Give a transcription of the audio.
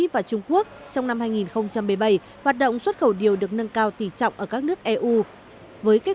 và chúng ta sẽ có nhiều tiền tiền